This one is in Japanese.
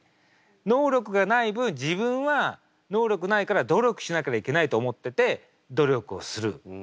能力がない分自分は能力ないから努力しなきゃいけないと思ってて努力をする。